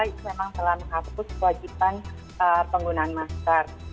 itu memang telah menghapus kewajiban penggunaan masker